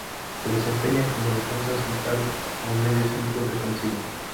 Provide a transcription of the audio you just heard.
Se desempeña como defensa central o mediocentro defensivo.